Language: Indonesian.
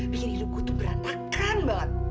bikin hidup gue tuh berantakan banget